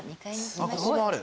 あっここもある。